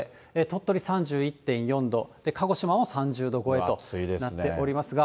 鳥取３１．４度、鹿児島も３０度超えとなっておりますが。